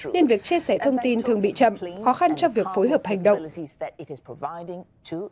nên việc chia sẻ thông tin thường bị chậm khó khăn cho việc phối hợp hành động